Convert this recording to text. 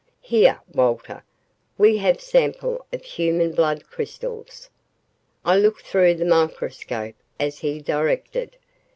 Here, Walter, we have sample of human blood crystals." I looked through the microscope as he directed.